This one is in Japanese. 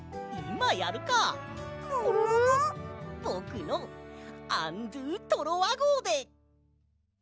ぼくのアン・ドゥ・トロワごうで！